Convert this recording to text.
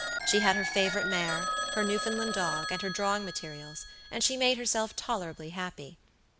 She had her favorite mare, her Newfoundland dog, and her drawing materials, and she made herself tolerably happy.